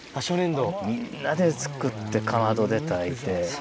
みんなで作ってかまどで炊いて。